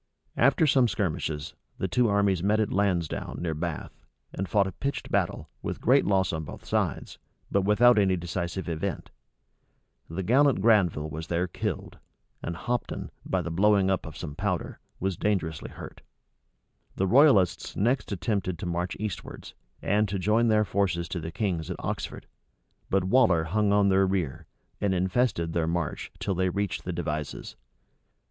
After some skirmishes, the two armies met at Lansdown, near Bath, and fought a pitched battle, with great loss on both sides, but without any decisive event.[] The gallant Granville was there killed; and Hopton, by the blowing up of some powder, was dangerously hurt. * Rush, vol. vi. p. 267, 273. Clarendon, vol. iii. p. 269, 279. Rush, vol. vi. p. 284. Clarendon, vol. iii. p. 282. The royalists next attempted to march eastwards, and to join their forces to the king's at Oxford: but Waller hung on their rear, and infested their march till they reached the Devizes.